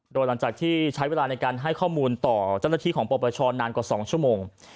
โดยหลังจากที่ใช้เวลาในการให้ข้อมูลต่อเจ้าหน้าที่ของปปชนานกว่า๒ชั่วโมง